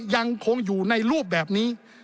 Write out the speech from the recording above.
ยังคงอยู่ในรูปแบบนี้